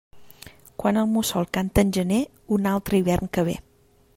Quan el mussol canta en gener, un altre hivern que ve.